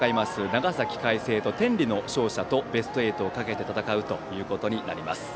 長崎・海星と天理の勝者とベスト８をかけて戦うということになります。